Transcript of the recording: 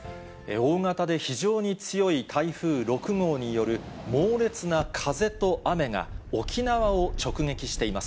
大型で非常に強い台風６号による猛烈な風と雨が、沖縄を直撃しています。